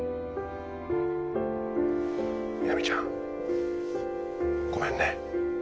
みなみちゃんごめんね。